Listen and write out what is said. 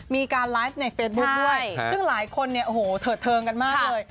มีการไลฟ์ในเฟซบุ๊คด้วยซึ่งหลายคนเนี่ยโอ้โหเถิดเทิงกันมากเลย